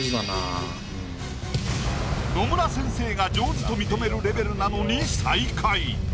野村先生が上手と認めるレベルなのに最下位。